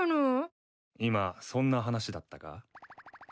今そんな話だったか？